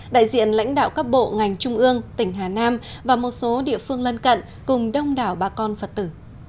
đại diện lãnh đạo các bộ ngành trung ương tỉnh hà nam và một số địa phương lân cận cùng đông đảo bà con phật tử